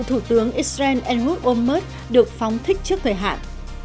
thủ tướng israel enhud olmert được phóng thích trước thời hạn